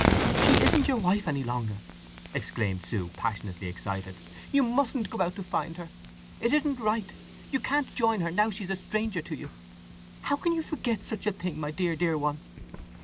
"She isn't your wife any longer!" exclaimed Sue, passionately excited. "You mustn't go out to find her! It isn't right! You can't join her, now she's a stranger to you. How can you forget such a thing, my dear, dear one!"